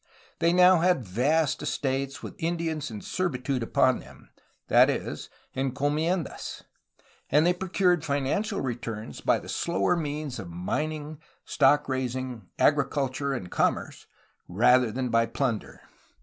They now had vast estates, with Indians in servi tude upon them (that is, encomiendas) , and they procured financial returns by the slower means of mining, stock raising, agriculture, and commerce, rather than by plunder.